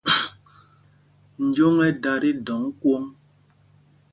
Njóŋ ɛ́ dā tí dɔ̌ŋ kwōŋ.